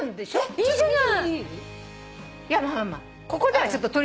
いいじゃない。